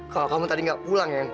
kalau kamu tadi nggak pulang ya